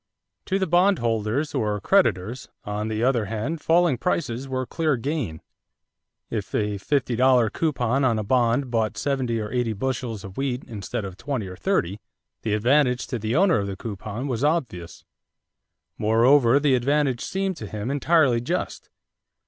= To the bondholders or creditors, on the other hand, falling prices were clear gain. If a fifty dollar coupon on a bond bought seventy or eighty bushels of wheat instead of twenty or thirty, the advantage to the owner of the coupon was obvious. Moreover the advantage seemed to him entirely just.